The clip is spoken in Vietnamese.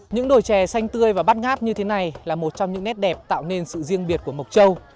những đồi chè xanh tươi và bát ngáp như thế này là một trong những nét đẹp tạo nên sự riêng biệt của mộc châu